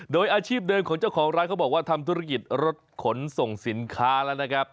โดยอาชีพเดิมของเจ้าของร้านเขาบอกว่าทำธุรกิจรถขนส่งสินค้าแล้วนะครับ